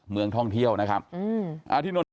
เมืองท่องเที่ยวนะครับ